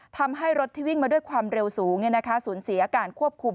ทำให้รถที่วิ่งมาด้วยความเร็วสูงสูญเสียการควบคุม